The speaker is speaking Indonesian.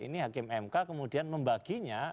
ini hakim mk kemudian membaginya